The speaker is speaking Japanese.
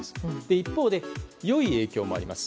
一方で良い影響もあります。